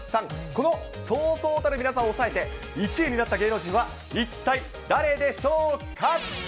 このそうそうたる皆さんを抑えて１位になった芸能人は芸能人は一体誰でしょうか。